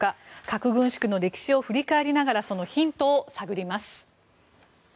核軍縮の歴史を振り返りながらそのヒントを探ります。